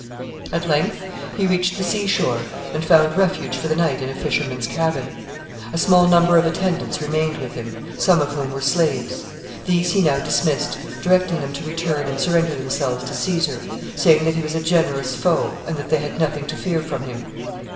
At length he reached the sea shore, and found refuge for the night in a fisherman's cabin. A small number of attendants remained with him, some of whom were slaves. These he now dismissed, directing them to return and surrender themselves to Caesar, saying that he was a generous foe, and that they had nothing to fear from him.